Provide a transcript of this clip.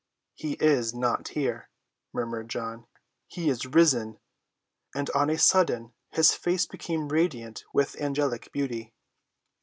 "He is not here," murmured John, "he is risen!" And on a sudden his face became radiant with angelic beauty.